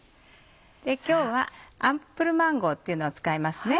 今日はアップルマンゴーっていうのを使います。